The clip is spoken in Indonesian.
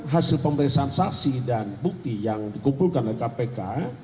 hasil pemeriksaan saksi dan bukti yang dikumpulkan oleh kpk